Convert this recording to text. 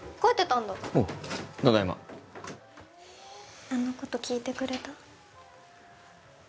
ただいまあのこと聞いてくれた？